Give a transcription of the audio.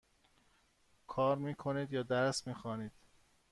کار می کنید یا درس می خوانید؟